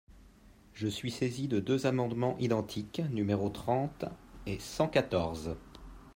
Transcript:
Je suis saisi de deux amendements identiques, numéros trente et cent quatorze.